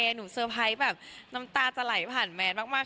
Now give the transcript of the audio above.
หนูเซอร์ไพรส์แบบน้ำตาจะไหลผ่านแมนมาก